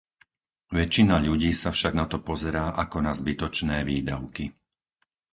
Väčšina ľudí sa však na to pozerá ako na zbytočné výdavky.